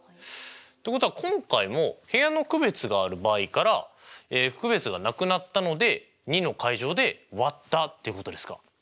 ってことは今回も部屋の区別がある場合から区別がなくなったので２の階乗で割ったということですか？